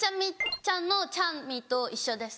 ちゃんの「ちゃみ」と一緒です。